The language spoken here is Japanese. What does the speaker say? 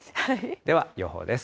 では、予報です。